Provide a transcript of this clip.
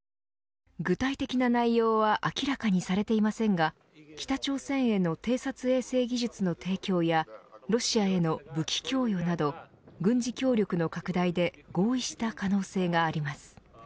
具体的な内容は明らかにされていませんが北朝鮮への偵察衛星技術の提供やロシアへの武器供与をなど軍事協力の拡大で合意した可能性があります。